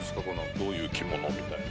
どういう着物みたいな。